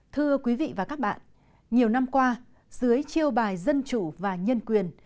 thưa quý vị và các bạn nhiều năm qua dưới chiêu bài dân chủ và nhân quyền